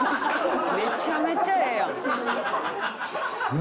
「めちゃめちゃええやん！」